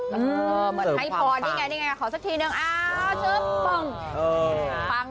เหมือนให้พอดิไงขอสักทีนึงอ้าวชุดปุ้ง